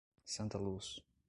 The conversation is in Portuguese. Santa Luz